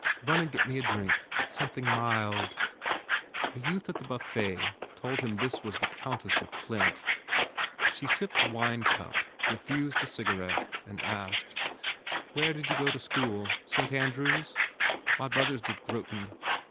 Run and get me a drink. Something mild." A youth at the buffet told him this was the Countess of Flint. She sipped wine cup, re fused a cigarette and asked, "Where did you go to school? Saint Andrew s? My brothers did Groton.